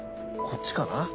こっちかな。